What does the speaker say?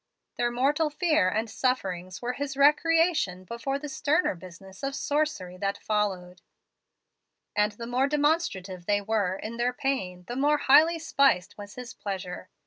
Their mortal fear and sufferings were his recreation before the sterner business of sorcery that followed; and the more demonstrative they were in their pain, the more highly spiced was his pleasure.